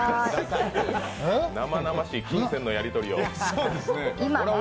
生々しい金銭のやりとりを。